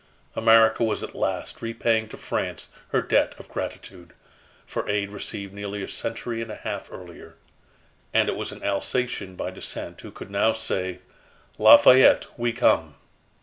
America was at last repaying to France her debt of gratitude, for aid received nearly a century and a half earlier. And it was an Alsatian by descent who could now say: "Lafayette, we come!"